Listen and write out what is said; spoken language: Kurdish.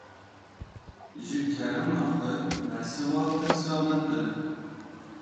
Ji kerema xwe, bersiva pirsa min bidin